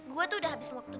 gue tuh udah habis waktu